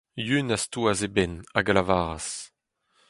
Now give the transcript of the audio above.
Yun a stouas e benn hag a lavaras.